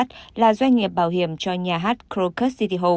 công ty iscochart là doanh nghiệp bảo hiểm cho nhà hát krokus city hall